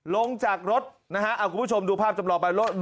ลงจากรถนะฮะคุณผู้ชมดูภาพจำลองไปรถ